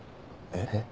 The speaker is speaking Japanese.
えっ？